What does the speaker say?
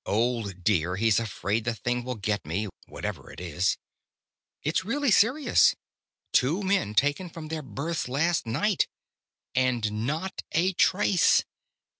Old dear, he's afraid the thing will get me whatever it is. It's really serious. Two men taken from their berths last night. And not a trace.